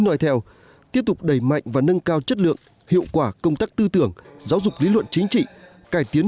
nói theo tiếp tục đẩy mạnh và nâng cao chất lượng hiệu quả công tác tư tưởng giáo dục lý luận chính trị cải tiến